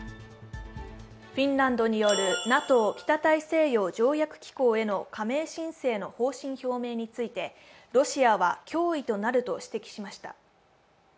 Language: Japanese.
フィンランドによるＮＡＴＯ＝北大西洋条約機構への加盟申請の方針表明について、ロシアは脅威となると指摘しました。